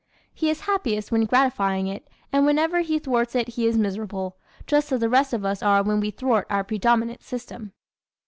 He is happiest when gratifying it and whenever he thwarts it he is miserable, just as the rest of us are when we thwart our predominant system.